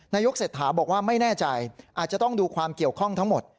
นายกเศรษฐาบอกว่าไม่แน่ใจอาจจะต้องดูความเกี่ยวข้องทั้งหมด